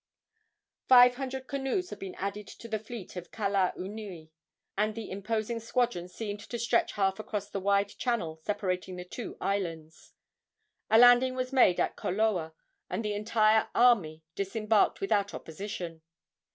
Five hundred canoes had been added to the fleet of Kalaunui, and the imposing squadron seemed to stretch half across the wide channel separating the two islands. A landing was made at Koloa, and the entire army disembarked without opposition.